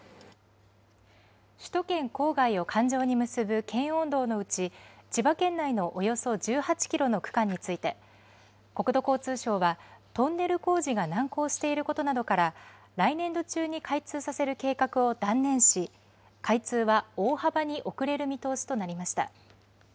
首都圏郊外を環状に結ぶ圏央道のうち、千葉県内のおよそ１８キロの区間について、国土交通省は、トンネル工事が難航していることなどから、来年度中に開通させる計画を断念し、開通は大幅に遅れる見通しとなりました。